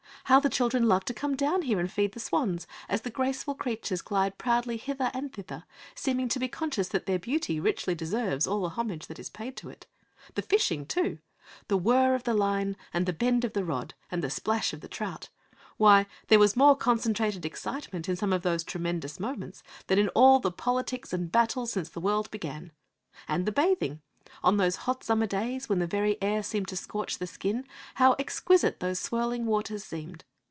How the children love to come down here and feed the swans as the graceful creatures glide proudly hither and thither, seeming to be conscious that their beauty richly deserves all the homage that is paid to it! The fishing, too! The whirr of the line, and the bend of the rod, and the splash of the trout; why, there was more concentrated excitement in some of those tremendous moments than in all the politics and battles since the world began! And the bathing! On those hot summer days when the very air seemed to scorch the skin, how exquisite those swirling waters seemed!